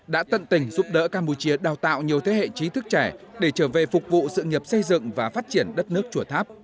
đã tận tình giúp đỡ campuchia đào tạo nhiều thế hệ trí thức trẻ để trở về phục vụ sự nghiệp xây dựng và phát triển đất nước chùa tháp